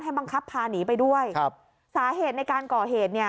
บังคับพาหนีไปด้วยครับสาเหตุในการก่อเหตุเนี่ย